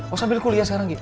oh sambil kuliah sekarang gitu